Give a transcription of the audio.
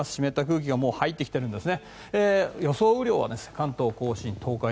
もう湿った空気が入ってきているんですね。